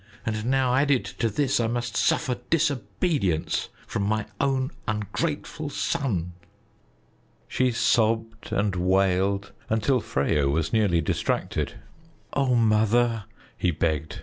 And now added to this I must suffer disobedience from my own ungrateful son." She sobbed and wailed until Freyo was nearly distracted. "Oh, Mother!" he begged.